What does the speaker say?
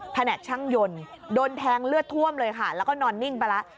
แผนกช่างยนต์โดนแทงเลือดท่วมเลยค่ะแล้วก็นอนนิ่งไปแล้ว